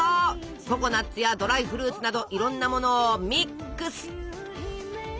ココナツやドライフルーツなどいろんなものをミックス！